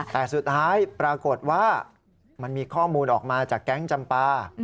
แต่สุดท้ายปรากฏว่ามันมีข้อมูลออกมาจากแก๊งจำปา